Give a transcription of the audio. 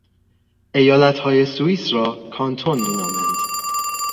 ایالتهای سوئیس را کانتون مینامند.